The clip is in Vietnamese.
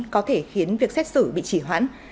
có thể khiến việc xét xử bị chỉ hoãn